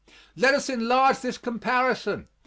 Let us enlarge this comparison.